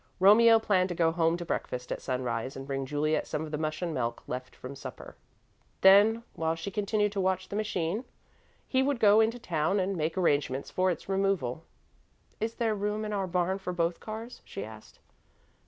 Romeo planned to go home to breakfast at sunrise and bring Juliet some of the mush and milk left from supper. Then, while she continued to watch the machine, he would go into town and make arrangements for its removal. "Is there room in our barn for both cars?" she asked.